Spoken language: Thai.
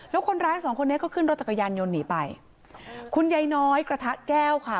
แล้วคนร้ายสองคนนี้ก็ขึ้นรถจักรยานยนต์หนีไปคุณยายน้อยกระทะแก้วค่ะ